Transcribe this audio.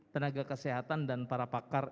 tenaga kesehatan dan para pakar